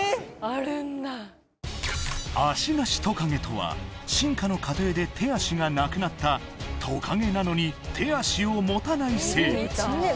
アシナシトカゲとは進化の過程で手足がなくなったトカゲなのに手足を持たない生物